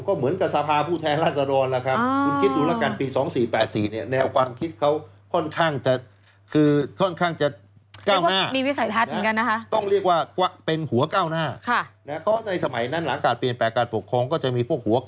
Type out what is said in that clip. ก็เหมือนกับสภาผู้แท้ราชฎรณ์คุณคิดอุณหกันปี๒๔๘๔เนี่ย